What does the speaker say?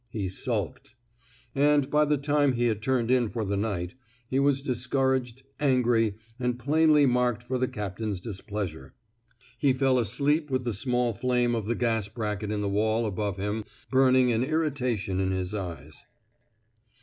He sulked And by the time he had turned in for the night, he was discouraged, angry, and plainly marked for the captain's displeasure. He fell asleep with the small flame of the gas bracket in the wall above him burning an irritation in his eyes.